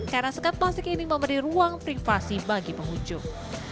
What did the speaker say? karena sekat plastik ini memberi ruang privasi bagi pengunjung